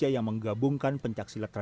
dan juga olimpiade